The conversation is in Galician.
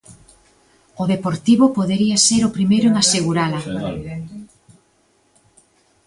O Deportivo podería ser o primeiro en asegurala.